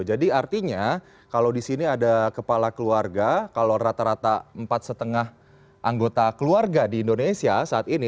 jadi artinya kalau di sini ada kepala keluarga kalau rata rata empat lima anggota keluarga di indonesia saat ini